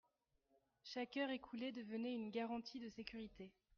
Chaque heure écoulée devenait une garantie de sécurité.